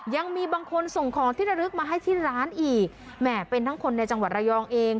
ยังมีบางคนส่งของที่ระลึกมาให้ที่ร้านอีกแหม่เป็นทั้งคนในจังหวัดระยองเอง